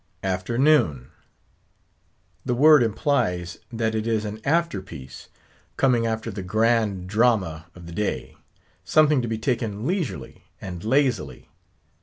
Afternoon! the word implies, that it is an after piece, coming after the grand drama of the day; something to be taken leisurely and lazily.